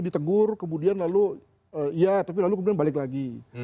ditegur kemudian lalu ya tapi lalu kemudian balik lagi